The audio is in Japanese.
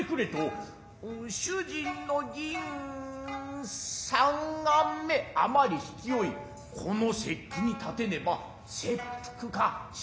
主人の銀三貫目余り引き負い此の節季に立てねば切腹か縛り首。